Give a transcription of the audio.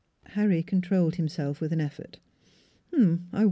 Harry controlled himself with an effort.